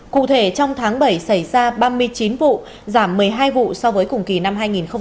cụ thể trong tháng bảy xảy ra ba mươi chín vụ giảm một mươi hai vụ so với cùng kỳ năm hai nghìn một mươi chín